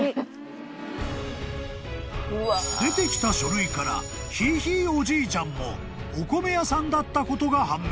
［出てきた書類からひいひいおじいちゃんもお米屋さんだったことが判明］